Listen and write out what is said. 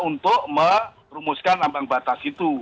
untuk merumuskan ambang batas itu